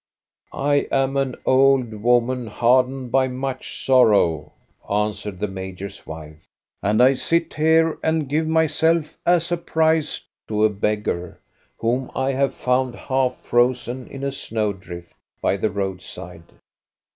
I ahi an old woman, hardened by much sorrow," answered the major's wife, "and I sit here and give myself as a prize to a beggar, whom I have found half frozen in a snow drift by the roadside.